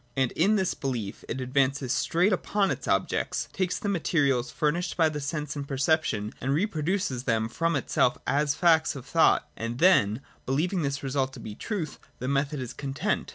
And in this belief it advances straight upon its objects, takes the materials furnished by sense and perception, and reproduces them from itself as facts of thought ; and then, believing this result to be the truth, the method is content.